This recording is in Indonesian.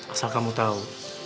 asal kamu tau